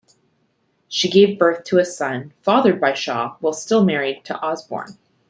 She gave birth to a son, fathered by Shaw, while still married to Osborne.